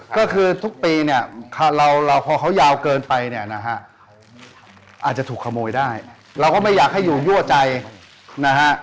ก็คือทุกปีเนี่ยเราพอเขายาวเกินไปเนี่ยนะฮะอาจจะถูกขโมยได้เราก็ไม่อยากให้อยู่ยั่วใจนะฮะ